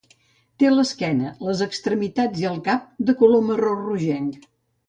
Té l'esquena, les extremitats i el cap de color marró rogenc.